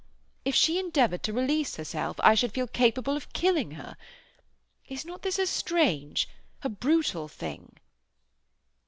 If she endeavoured to release herself I should feel capable of killing her. Is not this a strange, a brutal thing?"